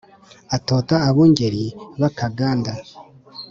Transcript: atota abungeri b’akaganda